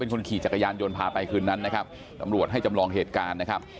คนขี่จักรยานยนต์พาไปคืนนั้นนะครับตำรวจให้จำลองเหตุการณ์นะครับ